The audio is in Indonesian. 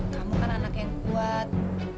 kamu kan anak yang kuat